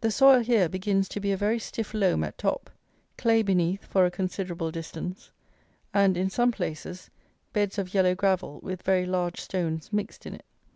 The soil here begins to be a very stiff loam at top; clay beneath for a considerable distance; and, in some places, beds of yellow gravel with very large stones mixed in it.